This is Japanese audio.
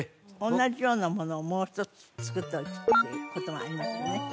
同じようなものをもう一つつくっておくっていうことがありますよね